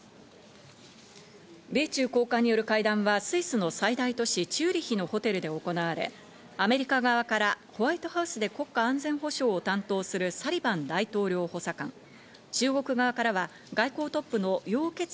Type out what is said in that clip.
米中高官による会談はスイスの最大都市チューリヒのホテルで行われ、アメリカ側からホワイトハウスで国家安全保障担当するサリバン大統領補佐官、中国側からは外交トップのヨウ・ケツチ